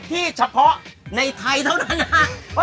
เฉพาะในไทยเท่านั้นนะ